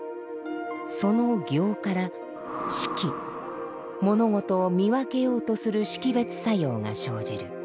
その「行」から「識」物事を見分けようとする識別作用が生じる。